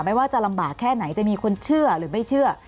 ไม่ว่าจะลำบากแค่ไหนจะมีคนเชื่อหรือไม่เชื่อ